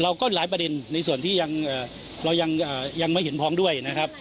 เราก็ยังหลายประเด็นในส่วนที่อ้ายังไม่เห็นพ้องด้วย